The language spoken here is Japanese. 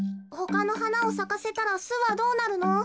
ほかのはなをさかせたらすはどうなるの？